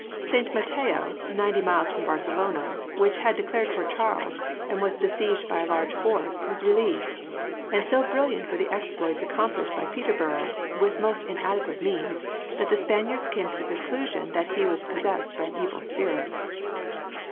Saint Matteo, ninety miles from Barcelona, which had declared for Charles and was besieged by a large force, was relieved; and so brilliant were the exploits accomplished by Peterborough, with most inadequate means, that the Spaniards came to the conclusion that he was possessed by an evil spirit.